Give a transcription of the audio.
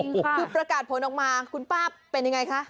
คือประกาศผลออกมาคุณป้าเป็นยังไงคะ